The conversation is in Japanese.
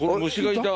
いた？